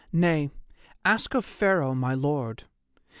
Nay, ask of Pharaoh my Lord.